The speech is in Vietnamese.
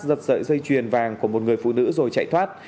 giật sợi dây chuyền vàng của một người phụ nữ rồi chạy thoát